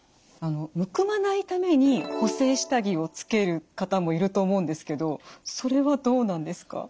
むくまないために補正下着をつける方もいると思うんですけどそれはどうなんですか？